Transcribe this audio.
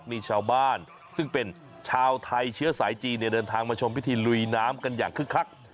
ที่นี่เช้าบ้านชาวไทยเชื้อสายจีนเดินทางมาชมทีธีณ์ลุยน้ำกันคึกคัก